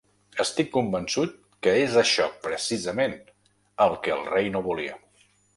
Estic convençut que és això precisament el que el rei no volia.